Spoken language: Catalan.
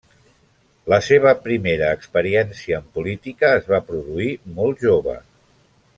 La seva primera experiència en política es va produir molt jove.